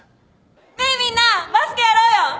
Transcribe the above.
ねえみんなバスケやろうよ